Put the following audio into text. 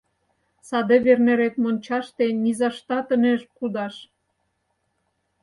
Саде Вернерет мончаште низаштат ынеж кудаш.